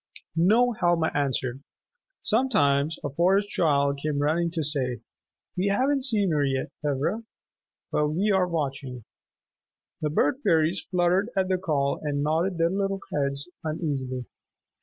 No Helma answered. Sometimes a Forest Child came running to say, "We haven't seen her yet, Ivra. But we are watching." The Bird Fairies fluttered at the call and nodded their little heads uneasily.